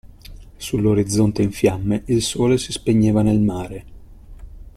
Sull'orizzonte in fiamme il sole si spegneva nel mare.